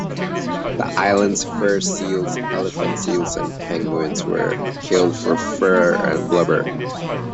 The island's fur seals, elephant seals and penguins were killed for fur and blubber.